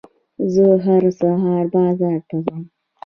زه هر سهار بازار ته ځم.